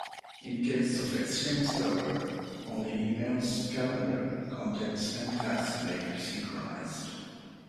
In case of Exchange Server, only emails, calendar, contacts and tasks may be synchronized.